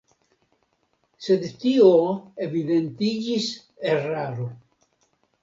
Sed tio evidentiĝis eraro.